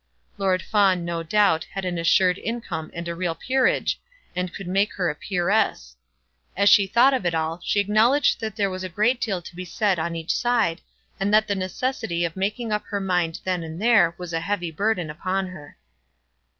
Lord Fawn, no doubt, had an assured income and a real peerage, and could make her a peeress. As she thought of it all, she acknowledged that there was a great deal to be said on each side, and that the necessity of making up her mind then and there was a heavy burthen upon her.